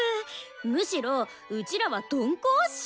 むしろうちらは鈍行っしょ？